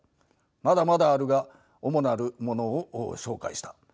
まだまだあるが主なるものを紹介した。